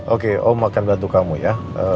oke om akan bantu kamu ya